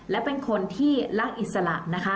และเป็นคนที่รักอิสระนะคะ